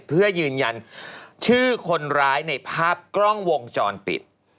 เพื่อยืนยันชื่อคนร้ายในภาพกล้องวงจรปิด